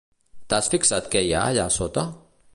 T'has fixat què hi ha allà sota?